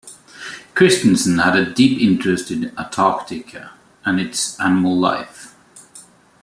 Christensen had a deep interest in Antarctica and its animal life.